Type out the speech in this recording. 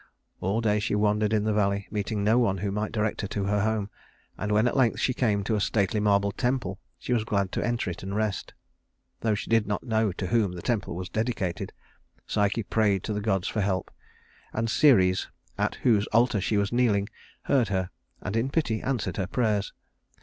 All day she wandered in the valley, meeting no one who might direct her to her home; and when at length she came to a stately marble temple, she was glad to enter it and rest. Though she did not know to whom the temple was dedicated, Psyche prayed to the gods for help; and Ceres, at whose altar she was kneeling, heard her, and in pity answered her prayers.